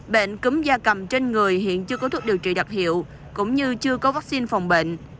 bệnh cúm da cầm trên người hiện chưa có thuốc điều trị đặc hiệu cũng như chưa có vaccine phòng bệnh